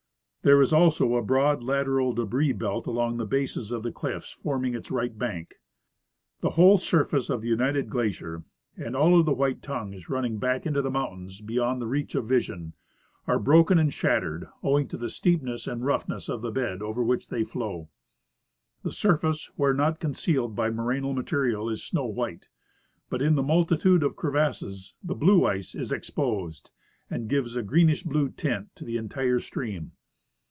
There is also a broad lateral debris belt along the bases of the cliffs forming its right liank. The whole surface of the united glacier, and all of the white tongues running back into the mountains beyond the reach of vision, are broken and shattered, owing to the steepness •and roughness of the bed over which they flow. The surface, where not concealed by morainal material, is snow white ; but in the multitude of crevasses the blue ice is exposed, and gives a greenish blue tint to the entire stream.